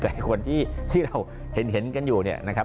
แต่คนที่เราเห็นกันอยู่เนี่ยนะครับ